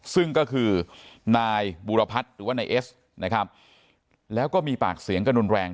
ซึ่งก็คือนายบูรพัฒน์หรือว่านายเอสนะครับแล้วก็มีปากเสียงกระดุนแรง